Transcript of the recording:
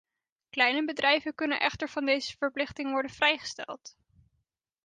Kleine bedrijven kunnen echter van deze verplichting worden vrijgesteld.